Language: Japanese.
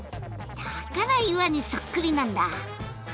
だから岩にそっくりなんだ。